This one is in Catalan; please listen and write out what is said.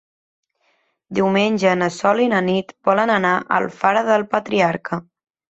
Diumenge na Sol i na Nit volen anar a Alfara del Patriarca.